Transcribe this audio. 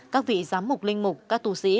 các vị giám mục linh mục các tu sĩ